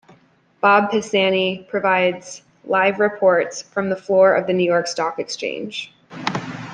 Bob Pisani provides live reports from the floor of the New York Stock Exchange.